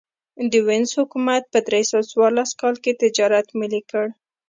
د وینز حکومت په درې سوه څوارلس کال کې تجارت ملي کړ